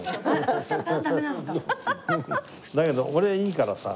だけど俺いいからさ。